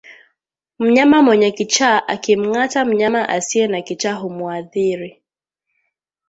Mnyama mwenye kichaa akimngata mnyama asiye na kichaa humuathiri